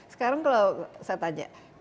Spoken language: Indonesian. sekarang kalau saya tanya